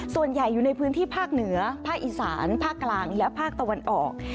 ส่วนใหญ่อยู่ในพื้นที่ภาคเหนือภาคอีสานภาคกลางและภาคตะวันออก